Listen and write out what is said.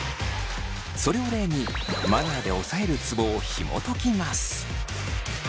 それを例にマナーで押さえるツボを紐解きます。